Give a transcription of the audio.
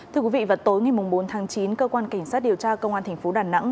thưa quý vị vào tối ngày bốn tháng chín cơ quan cảnh sát điều tra công an thành phố đà nẵng